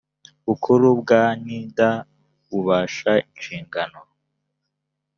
bukuru bwa nida ububasha inshingano